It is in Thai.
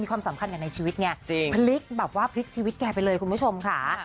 ความสำคัญกับในชีวิตไงพลิกแบบว่าพลิกชีวิตแกไปเลยคุณผู้ชมค่ะ